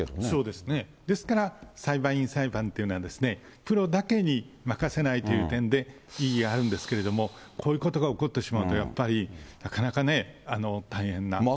そうですね、ですから、裁判員裁判というのは、プロだけに任せないという点で、意義があるんですけれども、こういうことが起こってしまうと、やっぱりなかなか大変な。